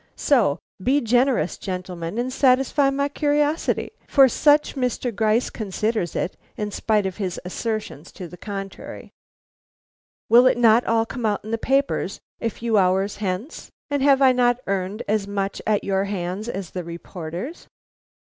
So be generous, gentlemen, and satisfy my curiosity, for such Mr. Gryce considers it, in spite of his assertions to the contrary. Will it not all come out in the papers a few hours hence, and have I not earned as much at your hands as the reporters?"